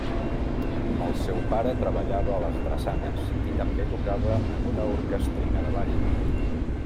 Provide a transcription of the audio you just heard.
El seu pare treballava a les drassanes i també tocava en una orquestrina de ball.